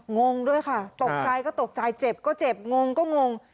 งงด้วยค่ะตกใจก็ตกใจเจ็บก็เจ็บงงก็งง